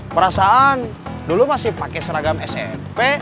perasaan dulu masih pakai seragam smp